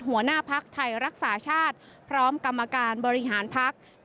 หัวหน้าภักดิ์ไทยรักษาชาติพร้อมกรรมการบริหารพัก